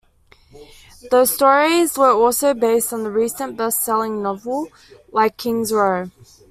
Those stories were also based on a recent best-selling novel like "Kings Row".